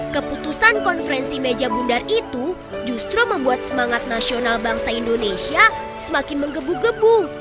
keputusan konferensi meja bundar itu justru membuat semangat nasional bangsa indonesia semakin menggebu gebu